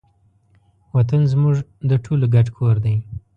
وطن زموږ د ټولو ګډ کور دی.